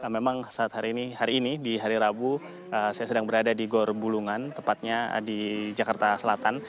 memang saat hari ini hari ini di hari rabu saya sedang berada di gor bulungan tepatnya di jakarta selatan